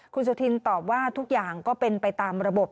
คุณสุธินตอบว่าทุกอย่างก็เป็นไปตามระบบ